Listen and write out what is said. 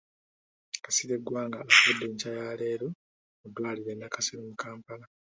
Kasirye Gwanga afudde enkya ya leero mu ddwaliro e Nakasero mu Kampala.